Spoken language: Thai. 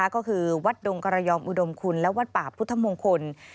ก็คือวัดดงกระยอมอุดมคุณและวัดป่าพุทธมงคล